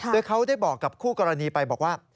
โดยเขาได้บอกกับคู่กรณีไปบอกว่า